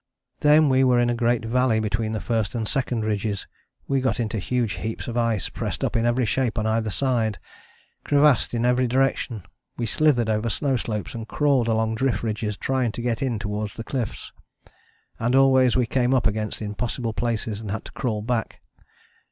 Then we were in a great valley between the first and second ridges: we got into huge heaps of ice pressed up in every shape on every side, crevassed in every direction: we slithered over snow slopes and crawled along drift ridges, trying to get in towards the cliffs. And always we came up against impossible places and had to crawl back.